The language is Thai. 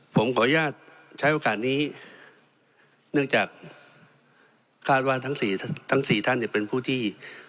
ผมขออนุญาตใช้โอกาสนี้เนื่องจากคาดว่าทั้งสี่ทั้งสี่ท่านจะเป็นผู้ที่